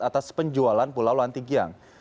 atas penjualan pulau lantigiang